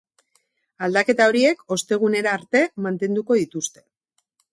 Aldaketa horiek ostegunera arte mantenduko dituzte.